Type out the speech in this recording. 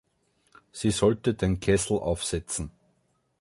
Sie sollte den Kessel aufsetzen.